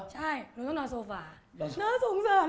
หนูสงสารมาก